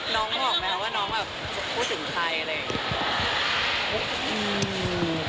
น้องบอกไหมคะว่าน้องแบบพูดถึงใครอะไรอย่างนี้